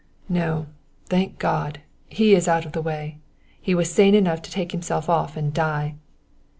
"No, thank God! he is out of the way. He was sane enough to take himself off and die."